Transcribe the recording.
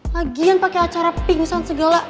lagian pakai acara pingsan segala